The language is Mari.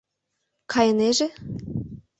Кайынеже?